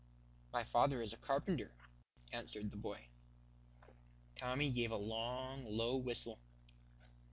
"My father is a carpenter," answered the boy. Tommy gave a long, low whistle.